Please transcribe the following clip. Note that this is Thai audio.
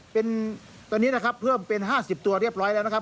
เป็นตอนนี้นะครับเพิ่มเป็น๕๐ตัวเรียบร้อยแล้วนะครับ